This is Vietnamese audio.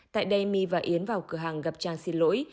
tại đây my và yến vào cửa hàng gặp trang xin lỗi